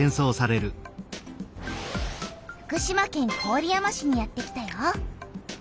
福島県郡山市にやってきたよ。